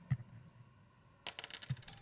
direktor bezovtalanadi